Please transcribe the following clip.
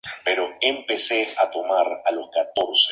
Esta fecha se toma como fundacional.